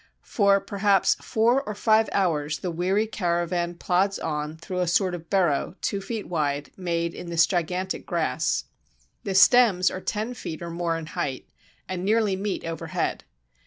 For, perhaps, four or five hours the weary caravan plods on through a sort of burrow, two feet wide, made in this gigantic grass. The stems are ten feet or more in height, and nearly meet overhead.